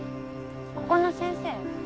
ここの先生？